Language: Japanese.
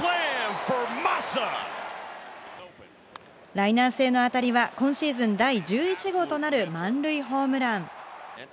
ライナー性の当たりは、今シーズン第１１号となる満塁ホームラン。